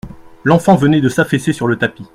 L'enfant venait de s'affaisser sur le tapis.